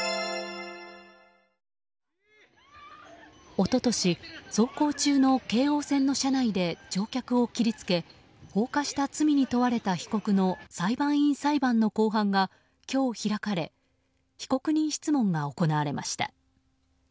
一昨年走行中の京王線の車内で乗客を切り付け放火した罪に問われた被告の裁判員裁判の公判が今日開かれ被告人質問が行われました。